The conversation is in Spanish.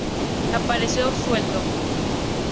Apareció suelto.